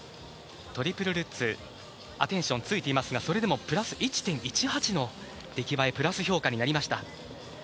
トリプルルッツアテンションがついていますがそれでもプラス１．１８の出来栄えプラス評価になりました。